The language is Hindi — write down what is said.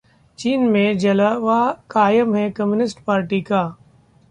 चीन में जलवा कायम है कम्युनिस्ट पार्टी का